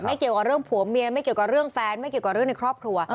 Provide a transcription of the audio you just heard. เกี่ยวกับเรื่องผัวเมียไม่เกี่ยวกับเรื่องแฟนไม่เกี่ยวกับเรื่องในครอบครัว